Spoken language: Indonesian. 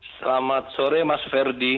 selamat sore mas ferdi